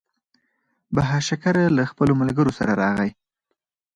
بهاشکر له خپلو ملګرو سره راغی.